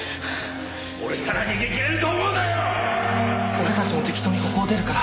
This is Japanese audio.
俺たちも適当にここを出るから。